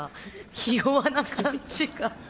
ひ弱な感じが。